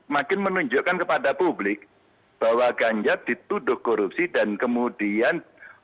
makin menunjukkan kepada publik bahwa ganjar dituduh korupsi dan kemudian